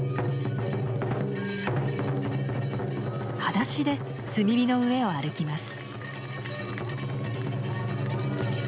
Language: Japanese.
はだしで炭火の上を歩きます。